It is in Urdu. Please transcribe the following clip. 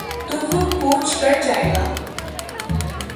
تو وہ کوچ کر جائے گا۔